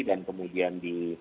dan kemudian di